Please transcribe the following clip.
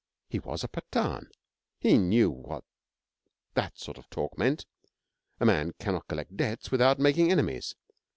He was a Pathan. He knew what that sort of talk meant. A man cannot collect debts without making enemies.